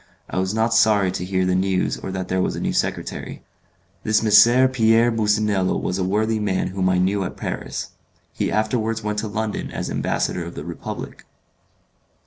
I was not sorry to hear the news or that there was a new secretary. This M. Pierre Businello was a worthy man whom I knew at Paris. He afterwards went to London as ambassador of the Republic.